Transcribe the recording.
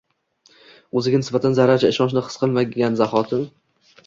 O‘ziga nisbatan zarracha ishonchni his qilgan zahoti.